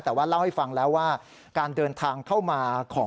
แต่ว่าเล่าให้ฟังแล้วว่าการเดินทางเข้ามาของ